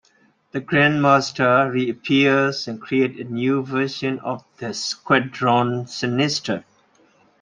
The Grandmaster reappears and creates a new version of the Squadron Sinister.